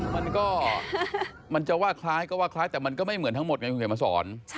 มันก็มันจะว่าคล้ายก็ว่าคล้ายแต่มันก็ไม่เหมือนทั้งหมดไงคุณเขียนมาสอน